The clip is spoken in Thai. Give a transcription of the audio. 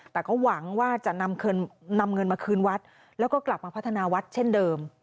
แต่ก็หวังว่าจะนำเงินมาคืนวัดแล้วก็กลับมาพัฒนาวัดเช่นเดิม